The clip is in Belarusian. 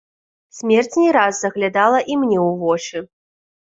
Смерць не раз заглядала і мне ў вочы.